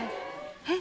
えっ？